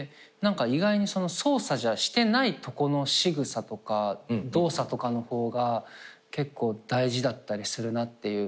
意外に操作してないとこのしぐさとか動作とかの方が結構大事だったりするなって。